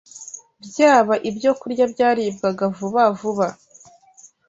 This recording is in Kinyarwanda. byaba ibyokurya byaribwaga vuba vuba